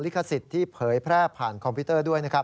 ลิขสิทธิ์ที่เผยแพร่ผ่านคอมพิวเตอร์ด้วย